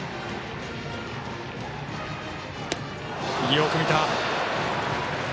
よく見た。